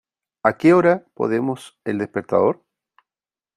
¿A qué hora ponemos el despertador?